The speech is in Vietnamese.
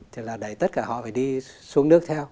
thì là đẩy tất cả họ phải đi xuống nước theo